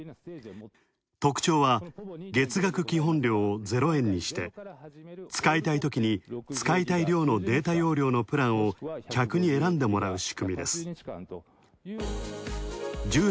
特徴は月額基本料をゼロ円にして、使いたいときに使いたい量のデータプランを客に選んでもらう仕組みです。